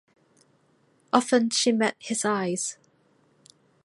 Often she met his eyes.